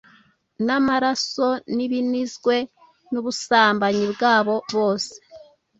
n’amaraso, n’ibinizwe n’ubusambanyi bwabo bose